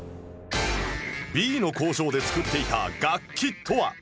Ｂ の工場で作っていた楽器とは？